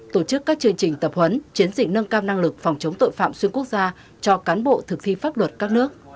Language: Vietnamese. tổ chức các chương trình tập huấn chiến dịch nâng cao năng lực phòng chống tội phạm xuyên quốc gia cho cán bộ thực thi pháp luật các nước